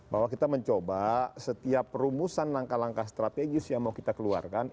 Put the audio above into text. bahwa kita mencoba setiap rumusan langkah langkah strategis yang mau kita keluarkan